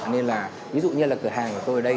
nên là ví dụ như là cửa hàng của tôi ở đây